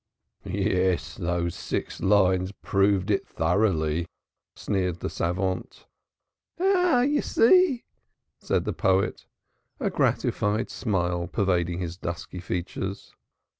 "Yes, those six lines proved it thoroughly," sneered the savant. "Aha! You see!" said the poet, a gratified smile pervading his dusky features.